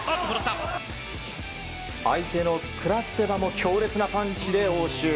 相手のクラステバも強烈なパンチで応酬。